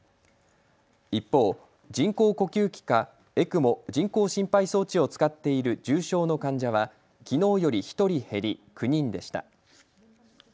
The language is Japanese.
一方、人工呼吸器かＥＣＭＯ・人工心肺装置を使っている重症の患者はきのうより１人減り９人でした。